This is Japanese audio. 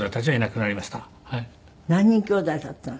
何人きょうだいだったの？